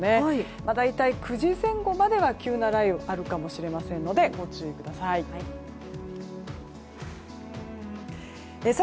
大体９時前後までは急な雷雨があるかもしれませんのでご注意ください。